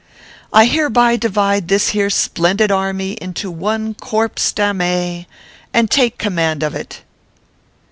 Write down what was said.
I hereby divide this here splendid army into one corpse, dammee, and take command of it."